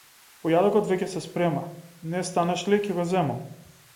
Појадокот веќе се спрема, не станеш ли, ќе го земам!